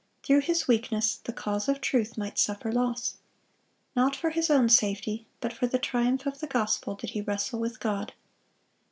Through his weakness the cause of truth might suffer loss. Not for his own safety, but for the triumph of the gospel did he wrestle with God.